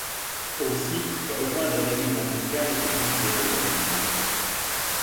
Aussi rejoindre l'Église anglicane était considéré comme une trahison.